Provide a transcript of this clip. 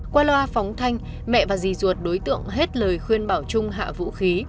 qua loa phóng thanh mẹ và di ruột đối tượng hết lời khuyên bảo trung hạ vũ khí